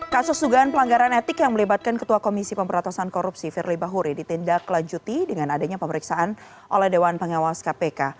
kasus dugaan pelanggaran etik yang melibatkan ketua komisi pemberantasan korupsi firly bahuri ditindaklanjuti dengan adanya pemeriksaan oleh dewan pengawas kpk